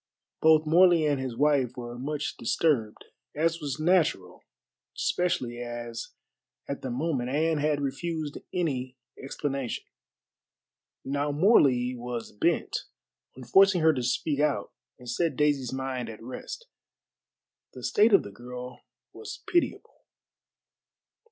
Both Morley and his wife were much disturbed, as was natural, especially as at the moment Anne had refused any explanation. Now Morley was bent on forcing her to speak out and set Daisy's mind at rest. The state of the girl was pitiable.